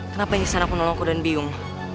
kenapa nisanak menolongku dan bing